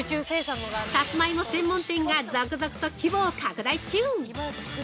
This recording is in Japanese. さつまいも専門店が続々と規模を拡大中！